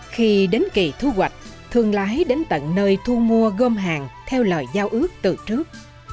khi đến kỳ thu hoạch thương lái đến tận nơi thu mua gom hàng theo lời giao ước từ trước